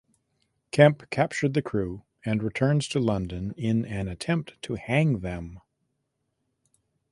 Kemp captured the crew and returns to London in an attempt to hang them.